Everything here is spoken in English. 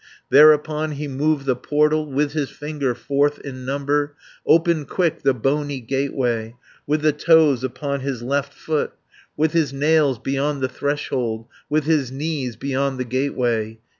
Thereupon he moved the portal, With his finger, fourth in number, 320 Opened quick the bony gateway, With the toes upon his left foot, With his nails beyond the threshold, With his knees beyond the gateway.